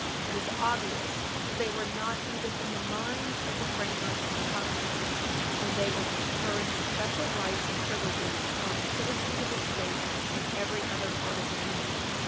It is obvious that they were not Page 60 U. S. 412 even in the minds of the framers of the Constitution when they were conferring special rights and privileges upon the citizens of a State in every other part of the Union.